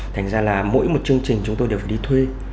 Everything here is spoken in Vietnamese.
thành ra là mỗi một chương trình chúng tôi đều phải đi thuê